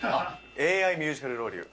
ＡＩミュージカルロウリュ。